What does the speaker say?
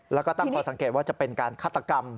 แล้วก็ตั้งข้อสังเกตว่าจะเป็นการฆาตกรรม